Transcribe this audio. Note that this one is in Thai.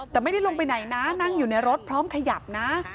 แต่ไม่ได้ลงไปไหนนะนั่งอยู่ในรถพร้อมขยับนะ